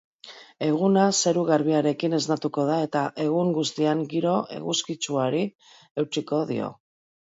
Eguna zeru garbiarekin esnatuko da eta egun guztian giro eguzkitsuari eutsiko dio.